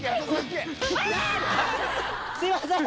すいません！